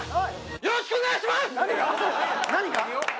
よろしくお願いします！